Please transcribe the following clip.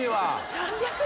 ３００円？